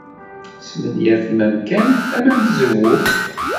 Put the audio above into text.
Tesmenyafem amkan tama n tzewwut.